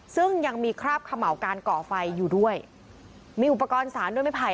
ซึ่งยังมีคราบเขม่าการก่อไฟอยู่ด้วยมีอุปกรณ์สารด้วยไม่ไผ